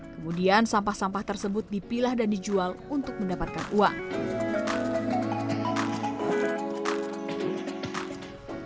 kemudian sampah sampah tersebut dipilah dan dijual untuk mendapatkan uang